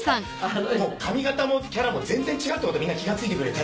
髪形もキャラも全然違うってことみんな気が付いてくれて。